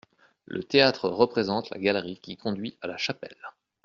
Le théâtre représente la galerie qui conduit à la chapelle.